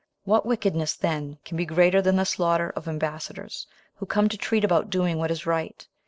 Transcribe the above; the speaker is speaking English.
What wickedness then can be greater than the slaughter of ambassadors, who come to treat about doing what is right?